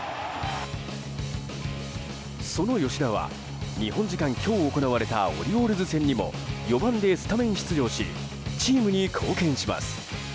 その吉田は日本時間今日行われたオリオールズ戦にも４番でスタメン出場しチームに貢献します。